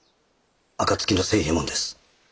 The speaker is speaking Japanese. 暁の星右衛門です。